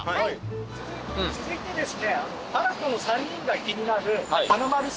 続いてですね。